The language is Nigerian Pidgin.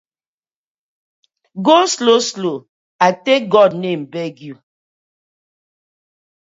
Go slow slow I tak God name beg yu.